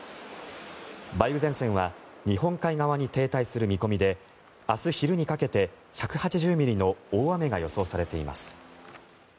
梅雨前線は日本海側に停滞する見込みで明日昼にかけて１８０ミリの大雨が予想されています。